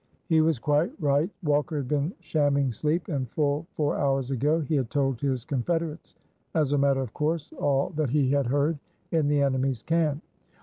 He was quite right; Walker had been shamming sleep, and full four hours ago he had told his confederates as a matter of course all that he had heard in the enemy's camp.